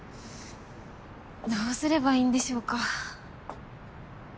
どうすればいいんでしょうか？